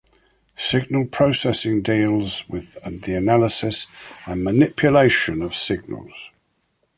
Signal processing deals with the analysis and manipulation of signals.